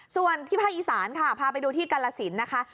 ส่วนที่ภาคอีสานค่ะพาไปดูที่กาลสินนะคะ